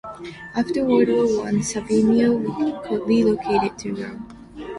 After World War One, Savinio relocated to Rome.